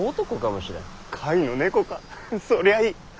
甲斐の猫かそりゃいい！